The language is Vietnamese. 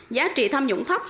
giá trị tham nhũng thấp